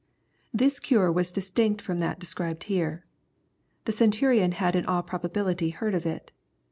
This cure was distinct from that described here. The Centurion had in all probability heard of it.